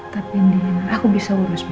tapi aku bisa urus ma